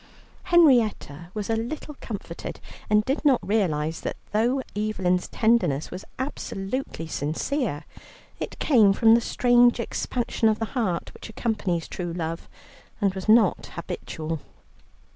Henrietta was a little comforted, and did not realize that though Evelyn's tenderness was absolutely sincere, it came from the strange expansion of the heart which accompanies true love, and was not habitual.